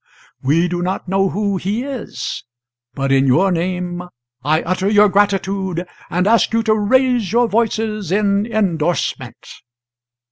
We do not know who he is, but in your name I utter your gratitude, and ask you to raise your voices in indorsement."